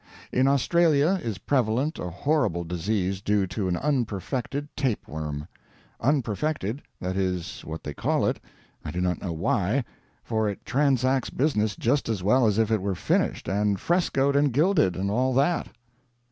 In Australia is prevalent a horrible disease due to an "unperfected tapeworm." Unperfected that is what they call it, I do not know why, for it transacts business just as well as if it were finished and frescoed and gilded, and all that.